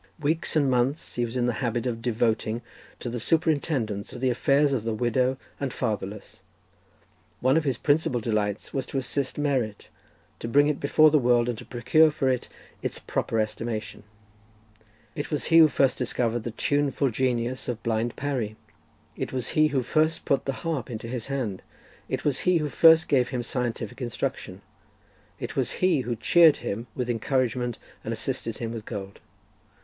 Weeks and months he was in the habit of devoting to the superintendence of the affairs of the widow and the fatherless: one of his principal delights was to assist merit, to bring it before the world, and to procure for it its proper estimation: it was he who first discovered the tuneful genius of blind Parry; it was he who first put the harp into his hand; it was he who first gave him scientific instruction; it was he who cheered him with encouragement, and assisted him with gold.